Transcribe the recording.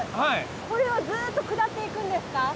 これはずっと下っていくんですか？